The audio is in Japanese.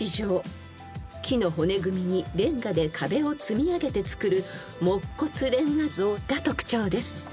［木の骨組みにれんがで壁を積み上げてつくる木骨煉瓦造が特徴です］